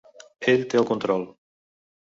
Ell té el control.